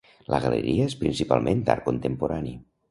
La galeria és principalment d'art contemporani.